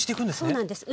そうなんです。